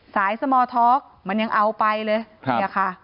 สายสมาร์ทท็อกมันยังเอาไปเลย